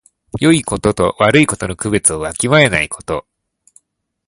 よいことと悪いことの区別をわきまえないこと。